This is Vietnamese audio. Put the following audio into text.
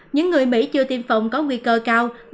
những người mỹ chưa tiêm phòng có nguy cơ cao